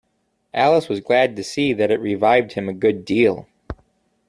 Alice was glad to see that it revived him a good deal.